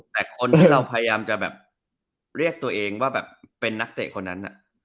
แต่คนที่เราพยายามจะแบบเรียกตัวเองว่าแบบเป็นนักเตะคนนั้น